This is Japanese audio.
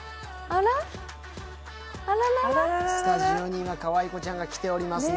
スタジオにはかわいこちゃんが来てますね。